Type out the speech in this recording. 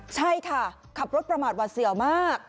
ใช่ค่ะขับรถประมาทหวัดเสี่ยวมาก